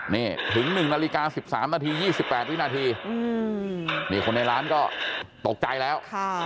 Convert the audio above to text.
นี่ถึง๑นาฬิกา๑๓นาที๒๘วินาทีนี่คนในร้านก็ตกใจแล้ว